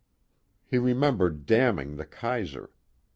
He remembered damning the Kaiser.